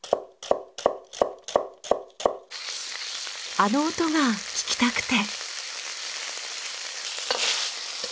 あの音が聞きたくて。